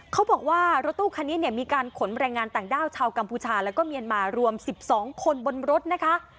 เขาบอกว่ารถตู้คันนี้เนี่ยมีการขนแรงงานต่างด้าวชาวกัมพูชาแล้วก็เมียนมารวม๑๒คนบนรถนะคะ